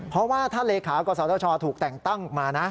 เพราะว่าถ้าเลขากศธชถูกแต่งตั้งมานะ